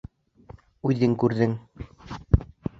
Үҙең күрҙең.